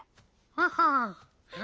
ハハハ？